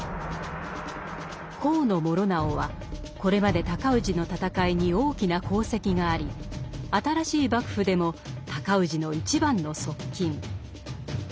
高師直はこれまで尊氏の戦いに大きな功績があり新しい幕府でも尊氏の一番の側近。